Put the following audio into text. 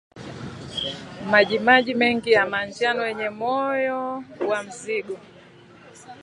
Majimaji mengi ya manjano kwenye moyo wa mzoga